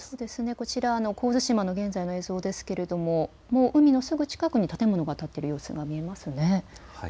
こちら神津島の現在の映像ですが海のすぐ近くに建物が建っている様子が見えますよね。